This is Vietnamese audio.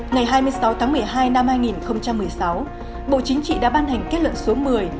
ngày hai mươi sáu tháng một mươi hai năm hai nghìn một mươi sáu bộ chính trị đã ban hành kết luận số một mươi